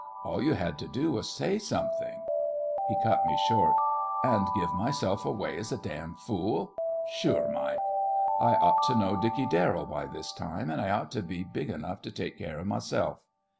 All you had to do was to say something " He cut me short. "And give myself away as a damn fool sure Mike. I ought to know Dickey Darrell by this time, and I ought to be big enough to take care of myself."